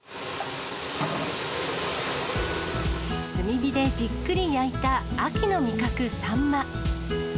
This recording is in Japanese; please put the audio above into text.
炭火でじっくり焼いた秋の味覚、サンマ。